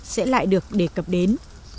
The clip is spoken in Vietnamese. sẽ lại được đề cập đến